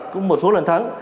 cũng một số lần thắng